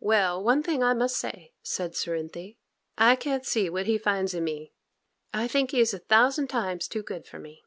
'Well, one thing I must say,' said Cerinthy, 'I can't see what he finds in me. I think he is a thousand times too good for me.